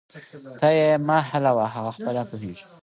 ته یې مه حلوه، هغه خپله پوهیږي